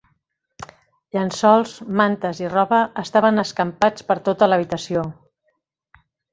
Llençols, mantes i roba estaven escampats per tota l'habitació.